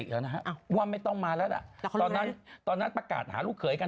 เรียกได้ว่าไม่ต้องมาแล้วตอนนั้นประกาศหาลูกเขยกัน